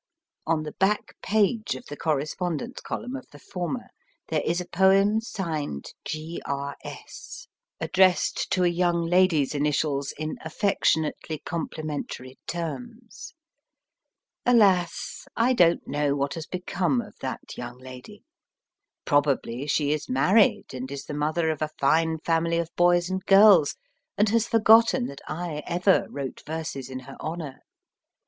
On the back page of the correspondence column of the former there is a poem signed G. R. S., addressed to a young lady s initials in affectionately complimentary terms. Alas ! I don t know what has become of that young 82 MY FIRST BOOK lady. Probably she is married, and is the mother of a fine family of boys and girls, and has forgotten that I ever wrote verses in her honour.